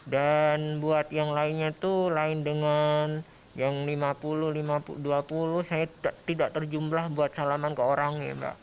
dan buat yang lainnya tuh lain dengan yang lima puluh dua puluh saya tidak terjumlah buat salaman ke orang ya mbak